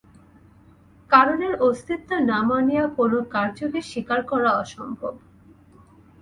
কারণের অস্তিত্ব না মানিয়া কোন কার্যকে স্বীকার করা অসম্ভব।